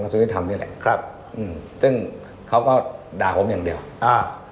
สุริธรรมนี่แหละครับอืมซึ่งเขาก็ด่าผมอย่างเดียวอ่า